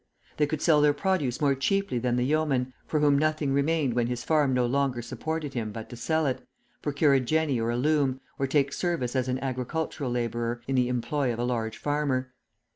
They could sell their produce more cheaply than the yeomen, for whom nothing remained when his farm no longer supported him but to sell it, procure a jenny or a loom, or take service as an agricultural labourer in the employ of a large farmer.